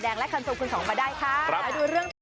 เวลาก้อนาฬิกา๓๐นาที